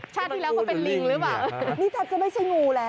ชาติที่แล้วเขาเป็นลิงหรือเปล่านี่แทบจะไม่ใช่งูแล้ว